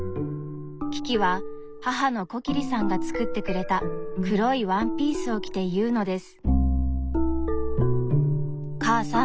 キキは母のコキリさんが作ってくれた黒いワンピースを着て言うのです。